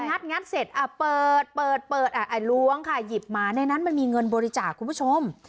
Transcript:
งัดเสร็จเปิดเปิดล้วงค่ะหยิบมาในนั้นมันมีเงินบริจาคคุณผู้ชม